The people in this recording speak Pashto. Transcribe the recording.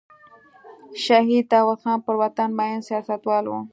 شهید داود خان پر وطن مین سیاستوال و.